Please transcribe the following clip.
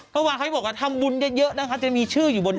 เพราะว่าเขาบอกว่าทำบุญเยอะนะครับจะมีชื่ออยู่บนยอด